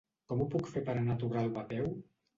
Com ho puc fer per anar a Torralba a peu?